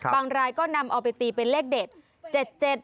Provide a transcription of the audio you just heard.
รายก็นำเอาไปตีเป็นเลขเด็ด